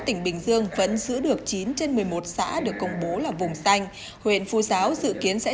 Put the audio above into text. tỉnh bình dương vẫn giữ được chín trên một mươi một xã được công bố là vùng xanh huyện phu giáo dự kiến sẽ